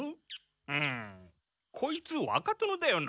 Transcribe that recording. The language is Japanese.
うんこいつ若殿だよな？